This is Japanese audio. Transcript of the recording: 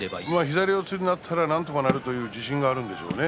左四つになったらなんとかなるという自信があるんでしょうね。